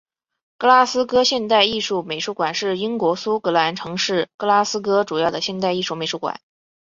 格拉斯哥现代艺术美术馆是英国苏格兰城市格拉斯哥主要的现代艺术美术馆。